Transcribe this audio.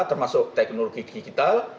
termasuk teknologi digital